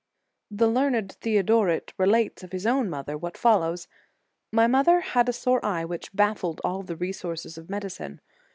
11 The learned Theodoret relates of his own mother what follows: "My mother had a sore eye, which baffled all the resources of medicine.